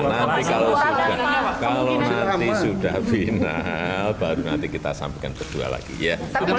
nanti kalau sudah kalau nanti sudah final baru nanti kita sampaikan berdua lagi ya